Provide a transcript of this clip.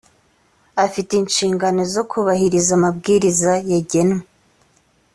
afite inshingano zo kubahiriza amabwiriza yagenwe